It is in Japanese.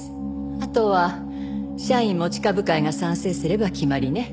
あとは社員持ち株会が賛成すれば決まりね。